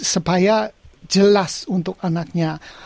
supaya jelas untuk anaknya